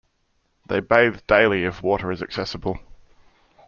They bathe daily if water is accessible.